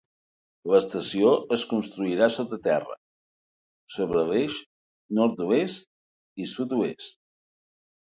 L"estació es construirà sota terra, sobre l"eix nord-oest i sud-oest.